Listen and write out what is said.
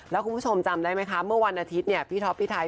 แล้วคุณผู้ชมจำได้ไหมคะเมื่อวันอาทิตย์เนี่ยพี่ท็อปพี่ไทย